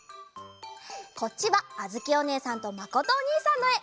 こっちはあづきおねえさんとまことおにいさんのえ。